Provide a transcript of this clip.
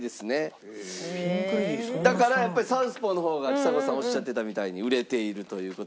だからやっぱり『サウスポー』の方がちさ子さんおっしゃってたみたいに売れているという事で。